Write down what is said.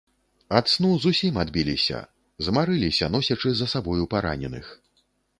Ад сну зусім адбіліся, змарыліся, носячы за сабою параненых.